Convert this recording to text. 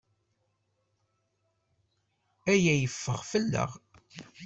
Aya yeffeɣ fell-aɣ.